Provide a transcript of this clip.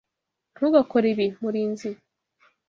Ntugakore ibi, Murinzi.